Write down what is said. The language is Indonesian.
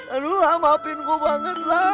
aduh lah maafin gue banget lah